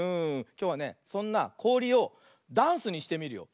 きょうはねそんなこおりをダンスにしてみるよ。